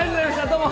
どうも！